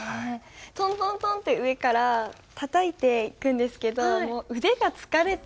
トントントンッって上からたたいていくんですけどもう腕が疲れて。